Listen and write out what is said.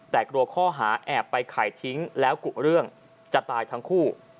แต่กลัวข้อหาแอบไปไข่ทิ้งแล้วกุเรื่องจะตายทั้งคู่